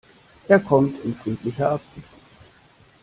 Er kommt in friedlicher Absicht.